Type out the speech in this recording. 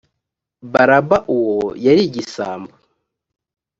baraba uwo yari igisambo